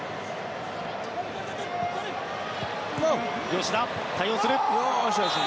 吉田、対応する。